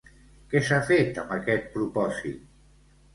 Què s'ha fet amb aquest propòsit?